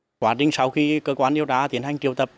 đó là một lý do tại sao các cơ quan yêu đá tiến hành triều tập